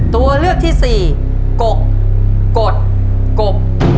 ตัวเลือกที่สี่กกฎกบ